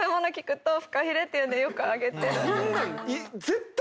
こんなん。